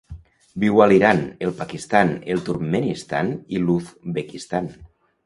Viu a l'Iran, el Pakistan, el Turkmenistan i l'Uzbekistan.